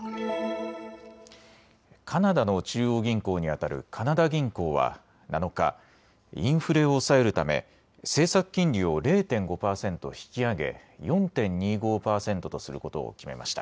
カナダの中央銀行にあたるカナダ銀行は７日、インフレを抑えるため政策金利を０．５％引き上げ４．２５％とすることを決めました。